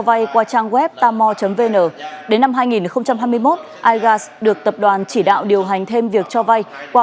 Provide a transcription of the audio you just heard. vay qua trang web tamo vn đến năm hai nghìn hai mươi một igas được tập đoàn chỉ đạo điều hành thêm việc cho vay qua